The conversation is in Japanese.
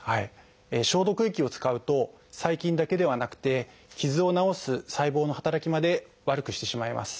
消毒液を使うと細菌だけではなくて傷を治す細胞の働きまで悪くしてしまいます。